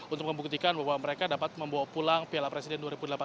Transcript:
untuk membuktikan bahwa mereka dapat membawa pulang piala presiden dua ribu delapan belas